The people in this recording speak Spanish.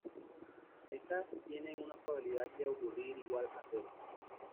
Estas tienen una probabilidad de ocurrir igual a cero.